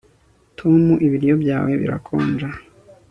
tom, ibiryo byawe birakonja